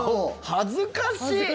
恥ずかしい！